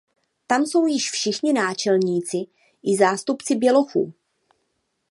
Tam jsou již všichni náčelníci i zástupci bělochů.